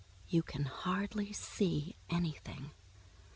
You can hardly see anything.